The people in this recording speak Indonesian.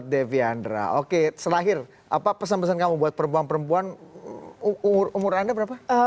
deviandra oke selahir apa pesan pesan kamu buat perempuan perempuan umur umur anda berapa